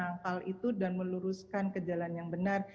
dan menangani hal itu dan meluruskan ke jalan yang benar